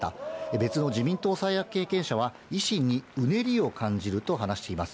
別の自民党三役経験者は、維新にうねりを感じると話しています。